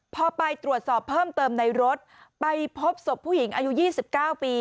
พอไปตรวจสอบเพิ่มเติมในรถไปพบศพผู้หญิงอายุ๒๙ปี